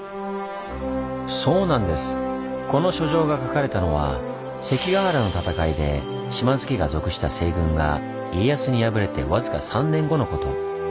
この書状が書かれたのは関ヶ原の戦いで島津家が属した西軍が家康に敗れてわずか３年後のこと。